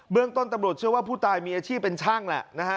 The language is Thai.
เรื่องต้นตำรวจเชื่อว่าผู้ตายมีอาชีพเป็นช่างแหละนะฮะ